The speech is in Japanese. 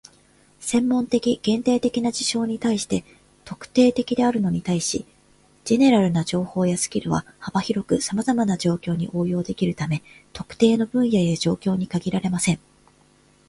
専門的、限定的な事象に対して「特定的」であるのに対し、"general" な情報やスキルは幅広くさまざまな状況に応用できるため、特定の分野や状況に限られません。